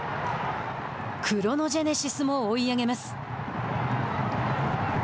クロノジェネシスも追い上げます。